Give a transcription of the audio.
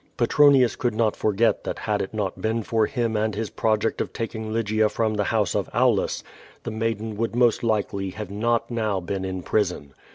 Petronius could not forget that had it not been for liim and his project of taking Lygia from the liouse of Aulus, the maiden wouhl most likely have not now been in ])rison.